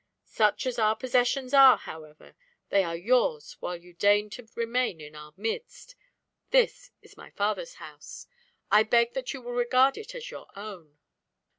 Such as our possessions are, however, they are yours while you deign to remain in our midst. This is my father's house. I beg that you will regard it as your own.